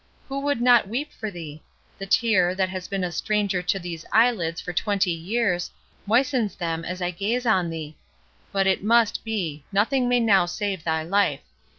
Who would not weep for thee?—The tear, that has been a stranger to these eyelids for twenty years, moistens them as I gaze on thee. But it must be—nothing may now save thy life.